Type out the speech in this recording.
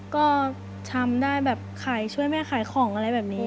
ก็ทำได้แบบขายช่วยแม่ขายของอะไรแบบนี้